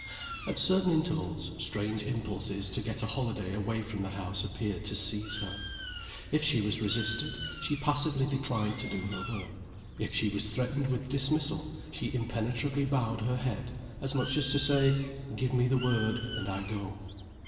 At certain intervals, strange impulses to get a holiday away from the house appeared to seize her. If she was resisted, she passively declined to do her work. If she was threatened with dismissal, she impenetrably bowed her head, as much as to say, "Give me the word, and I go."